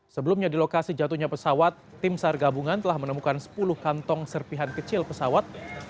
sebelumnya di lokasi jatuhnya pesawat tim sar gabungan telah menemukan sepuluh kantong serpihan kecil pesawat